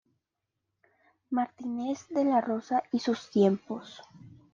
Martinez de la Rosa y sus tiempos.